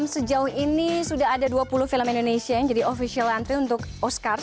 sejauh ini sudah ada dua puluh film indonesia yang jadi official nanti untuk oscars